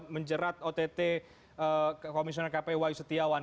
menjerat ott komisioner kp wayu setiawan